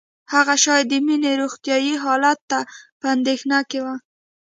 هغه شاید د مينې روغتیايي حالت ته په اندېښنه کې وه